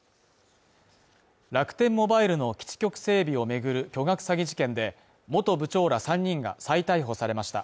楽天モバイルの基地局整備を巡る巨額詐欺事件で、元部長ら３人が再逮捕されました。